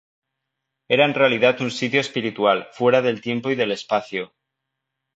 Era en realidad un sitio espiritual, fuera del tiempo y del espacio.